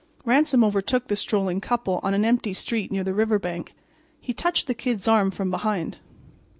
Ransom overtook the strolling couple on an empty street near the river bank. He touched the Kid's arm from behind.